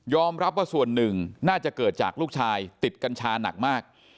รับว่าส่วนหนึ่งน่าจะเกิดจากลูกชายติดกัญชาหนักมาก